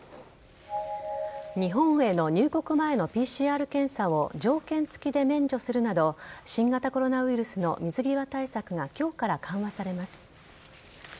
日本への入国前のＰＣＲ検査を条件付きで免除するなど新型コロナウイルスの水際対策が今日から緩和されます。